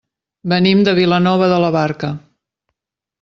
Venim de Vilanova de la Barca.